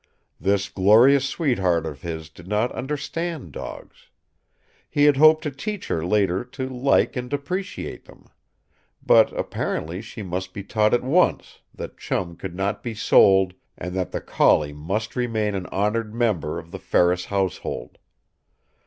This glorious sweetheart of his did not understand dogs. He had hoped to teach her later to like and appreciate them. But apparently she must be taught at once that Chum could not be sold and that the collie must remain an honored member of the Ferris household.